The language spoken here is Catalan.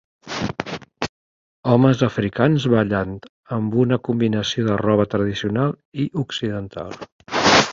Homes africans ballant amb una combinació de roba tradicional i occidental.